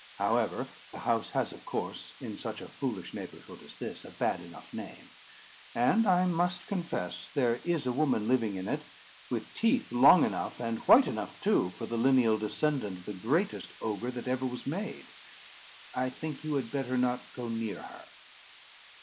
However, the house has, of course, in such a foolish neighbourhood as this, a bad enough name; and I must confess there is a woman living in it, with teeth long enough, and white enough too, for the lineal descendant of the greatest ogre that ever was made. I think you had better not go near her."